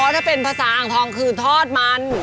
ถ้าเป็นภาษาอ่างทองคือทอดมัน